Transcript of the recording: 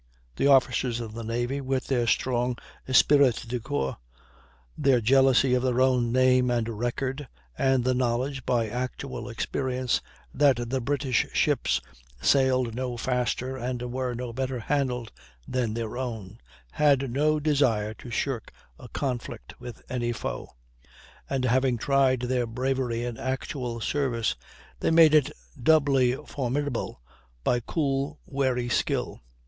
The officers of the navy, with their strong esprit de corps, their jealousy of their own name and record, and the knowledge, by actual experience, that the British ships sailed no faster and were no better handled than their own, had no desire to shirk a conflict with any foe, and having tried their bravery in actual service, they made it doubly formidable by cool, wary skill.